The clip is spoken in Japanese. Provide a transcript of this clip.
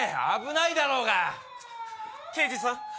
危ないだろうが刑事さん